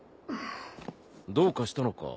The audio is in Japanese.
どうかしたのか？